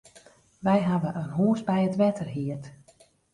Wy hawwe in hûs by it wetter hierd.